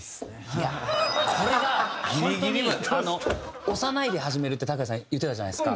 いやこれがホントに押さないで始めるってＴＡＫＵＹＡ∞さん言ってたじゃないですか。